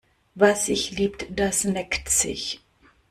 Was sich liebt, das neckt sich.